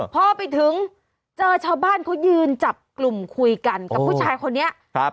พอไปถึงเจอชาวบ้านเขายืนจับกลุ่มคุยกันกับผู้ชายคนนี้ครับ